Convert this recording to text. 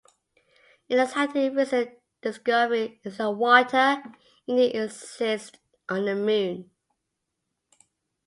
An exciting recent discovery is that water indeed exists on the Moon!